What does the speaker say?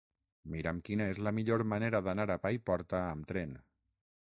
Mira'm quina és la millor manera d'anar a Paiporta amb tren.